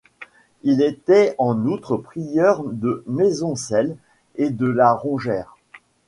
Il était en outre prieur de Maisoncelles, et de la Rongère.